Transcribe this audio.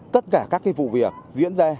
tất cả các vụ việc diễn ra